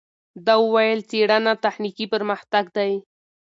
ده وویل، څېړنه تخنیکي پرمختګ دی.